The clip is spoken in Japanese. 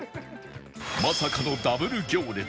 まさかのダブル行列